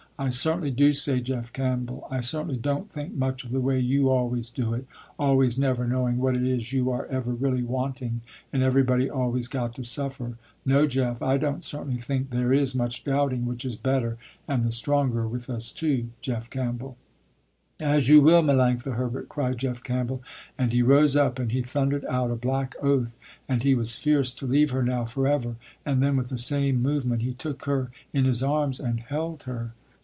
I certainly do say Jeff Campbell, I certainly don't think much of the way you always do it, always never knowing what it is you are ever really wanting and everybody always got to suffer. No Jeff, I don't certainly think there is much doubting which is better and the stronger with us two, Jeff Campbell." "As you will, Melanctha Herbert," cried Jeff Campbell, and he rose up, and he thundered out a black oath, and he was fierce to leave her now forever, and then with the same movement, he took her in his arms and held her.